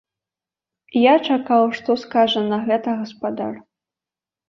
Я чакаў, што скажа на гэта гаспадар.